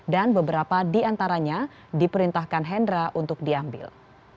dan beberapa di antaranya diperintahkan hendra untuk diambil